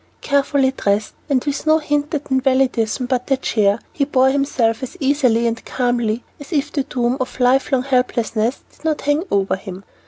Carefully dressed, and with no hint at invalidism but the chair, he bore himself as easily and calmly as if the doom of lifelong helplessness did not hang over him.